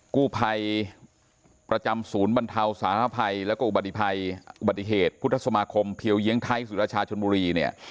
กู้ภัยประจำศูนย์บรรเทาสารภัยแล้วก็อุบัติเหตุพุทธสมาคมเพียวเยียงไทยสุรชาชนบุรีเนี่ย